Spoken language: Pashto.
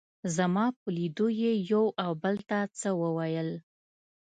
زما په لیدو یې یو او بل ته څه وویل.